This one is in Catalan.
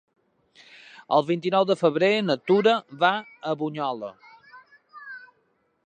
El vint-i-nou de febrer na Tura va a Bunyola.